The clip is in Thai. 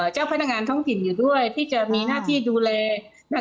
เจ้าพนักงานท้องถิ่นอยู่ด้วยที่จะมีหน้าที่ดูแล